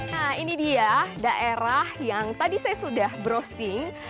nah ini dia daerah yang tadi saya sudah browsing